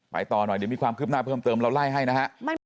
ต่อหน่อยเดี๋ยวมีความคืบหน้าเพิ่มเติมเราไล่ให้นะฮะ